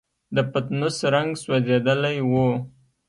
د پتنوس رنګ سوځېدلی و.